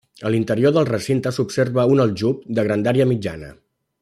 En l'interior del recinte s'observa un aljub de grandària mitjana.